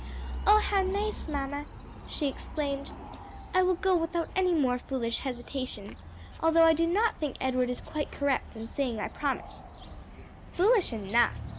"Oh how nice, mamma!" she exclaimed. "I will go without any more foolish hesitation, although I do not think Edward is quite correct in saying I promised." "Foolish enough!"